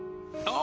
あ。